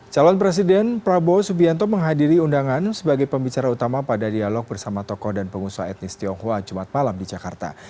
calon presiden prabowo subianto menghadiri undangan sebagai pembicara utama pada dialog bersama tokoh dan pengusaha etnis tionghoa jumat malam di jakarta